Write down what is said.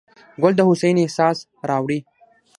ګل د هوساینې احساس راوړي.